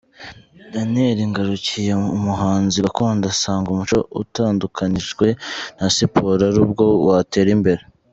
Daniyeli Ngarukiye, umuhanzi gakondo, asanga umuco utandukanyijwe na siporo ari bwo watera imbere.